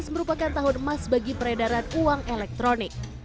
dua ribu merupakan tahun emas bagi peredaran uang elektronik